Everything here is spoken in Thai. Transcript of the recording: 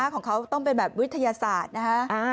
ของเขาต้องเป็นแบบวิทยาศาสตร์นะฮะ